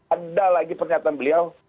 ada lagi pernyataan beliau